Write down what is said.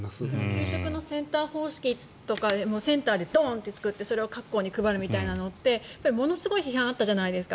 給食のセンター方式とかセンターでドンと作ってそれを各校に配るというのってものすごい批判があったじゃないですか。